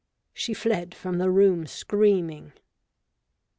She fled from the room screaming.